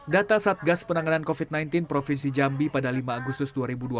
data satgas penanganan covid sembilan belas provinsi jambi pada lima agustus dua ribu dua puluh